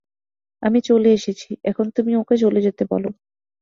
আমি চলে এসেছি, এখন তুমি ওঁকে চলে যেতে বলো।